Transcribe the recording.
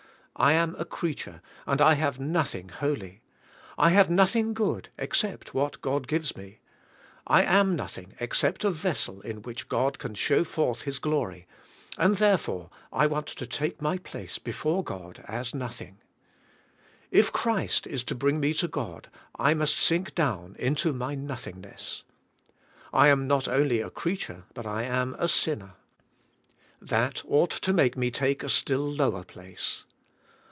I am a creature and I have nothing holy. I have nothing good except what God gives me. I am nothing except a vessel in which God CHRIST BRINGING US TO GOD. 133 can show forth His g'lory, and therefore I want to take my place before God as nothing*. If Christ is to bring me to God I must sink down into my noth ingness. I am not only a creature but I am a sin ner. That ought to make me take a still lower place.